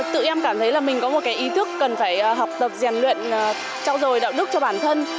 tự em cảm thấy là mình có một cái ý thức cần phải học tập rèn luyện trao dồi đạo đức cho bản thân